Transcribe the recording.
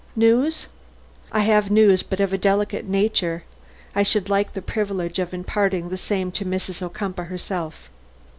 "News?" "I have news, but of a delicate nature. I should like the privilege of imparting the same to Mrs. Ocumpaugh herself."